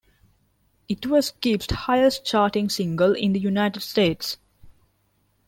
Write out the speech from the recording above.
It was Gibb's highest charting single in the United States.